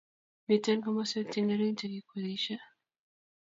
miten komoswek chengering chegikwerishe